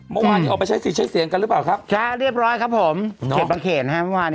เมื่อวานจะออกไปใช้สินใช้เสียงกันหรือยังเปล่าครับ